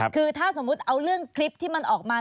คือถ้าสมมุติเอาเรื่องคลิปที่มันออกมา